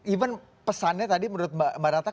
even pesannya tadi menurut mbak ratna